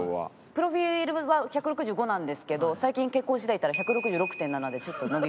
プロフィールは１６５なんですけど最近健康診断行ったら１６６．７でちょっと伸びました。